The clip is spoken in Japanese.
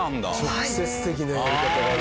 直接的なやり方だね。